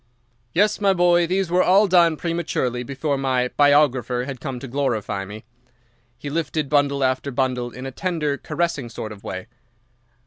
"Yes, my boy, these were all done prematurely before my biographer had come to glorify me." He lifted bundle after bundle in a tender, caressing sort of way.